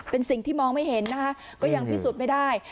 เป็นสิ่งที่มองไม่เห็นนะคะก็ยังพิสูจน์ไม่ได้